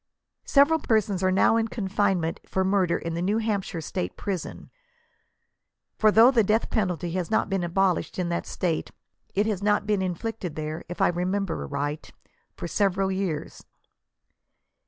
Several persons are now in confinement for murder in the New Hampshire &tate prison ; for though the death, penalty has not been abo lished in that State, it has not been inflicted there, if I remember aright, for several years.